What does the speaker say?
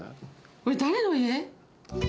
これ、誰の家？